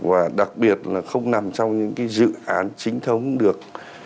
và đặc biệt là không nằm trong những cái dự án chính thống được